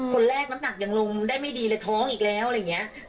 คนแรกน้ำหนักยังลงได้ไม่ดีเลยท้องอีกแล้วอะไรอย่างนี้